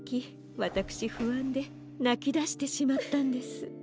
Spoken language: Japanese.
わたくしふあんでなきだしてしまったんです。